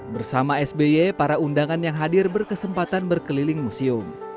bersama sby para undangan yang hadir berkesempatan berkeliling museum